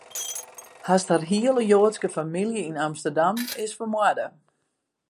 Hast har hiele Joadske famylje yn Amsterdam, is fermoarde.